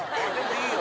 いいよ！